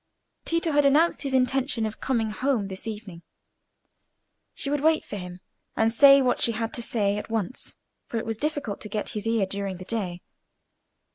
Tito had announced his intention of coming home this evening. She would wait for him, and say what she had to say at once, for it was difficult to get his ear during the day.